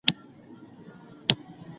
ماشوم په ډاډه چاپیریال کې ښه زده کړه کوي.